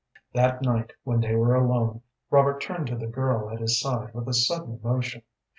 That night when they were alone, Robert turned to the girl at his side with a sudden motion.